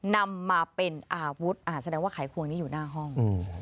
นำมาเป็นอาวุธแสดงว่าไขควงนี้อยู่หน้าห้อง